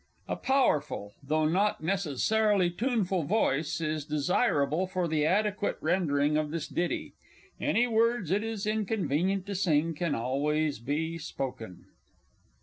A powerful, though not necessarily tuneful, voice is desirable for the adequate rendering of this ditty; any words it is inconvenient to sing, can always be spoken.